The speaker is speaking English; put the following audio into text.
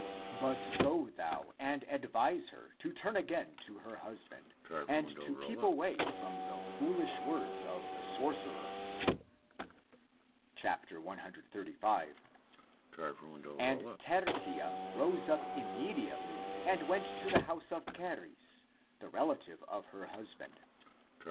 But go thou and ad vise her to turn again to her husband, and to keep away from the foolish words of the sorcerer." 135. And Tertia rose up immediately and went to the house of Charis, the relative of her husband.